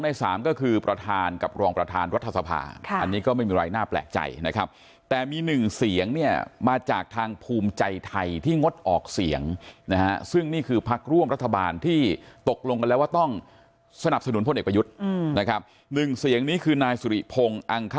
ในสามก็คือประธานกับรองประธานรัฐสภาอันนี้ก็ไม่มีอะไรน่าแปลกใจนะครับแต่มีหนึ่งเสียงเนี่ยมาจากทางภูมิใจไทยที่งดออกเสียงนะฮะซึ่งนี่คือพักร่วมรัฐบาลที่ตกลงกันแล้วว่าต้องสนับสนุนพลเอกประยุทธ์นะครับหนึ่งเสียงนี้คือนายสุริพงศ์